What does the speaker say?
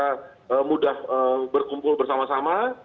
kita mudah berkumpul bersama sama